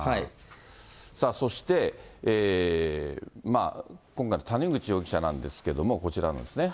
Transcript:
さあそして、今回の谷口容疑者なんですけど、こちらですね。